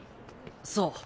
そう。